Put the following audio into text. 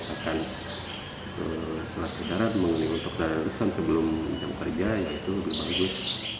menggunakan tadarus kan sebelum jam kerja ya itu lebih bagus